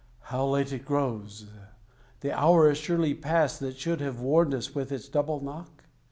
How late it grows! The hour is surely past That should have warned us with its double knock?